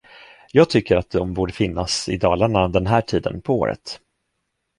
Jag tycker, att de borde finnas i Dalarna den här tiden på året.